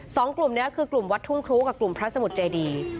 สองกลุ่มนี้คือกลุ่มวัดทุ่งครูกับกลุ่มพระสมุทรเจดี